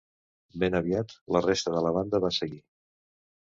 Ben aviat, la resta de la banda va seguir.